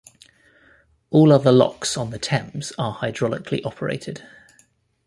All other locks on the Thames are hydraulically operated.